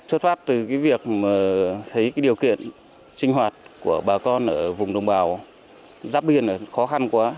xuất phát từ việc thấy điều kiện sinh hoạt của bà con ở vùng đồng bào giáp biên khó khăn quá